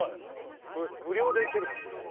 これ無料で行ける場所です。